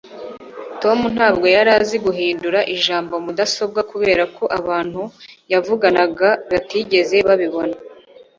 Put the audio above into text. tom ntabwo yari azi guhindura ijambo mudasobwa kubera ko abantu yavuganaga batigeze babibona